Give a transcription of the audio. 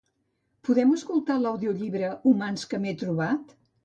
Podem escoltar l'audiollibre "Humans que m'he trobat"?